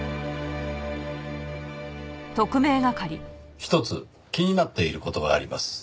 ひとつ気になっている事があります。